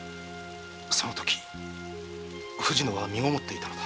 そのとき藤乃は身ごもっていたのだ。